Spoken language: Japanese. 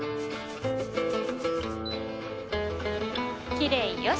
きれいよし！